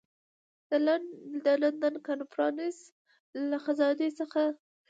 د لندن کنفرانس له خزانې څخه.